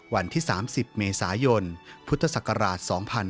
วันที่๓๐เมษายนพุทธศักราช๒๕๕๙